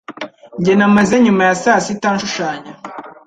Njye namaze nyuma ya saa sita nshushanya.